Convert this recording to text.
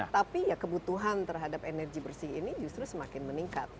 tapi ya kebutuhan terhadap energi bersih ini justru semakin meningkat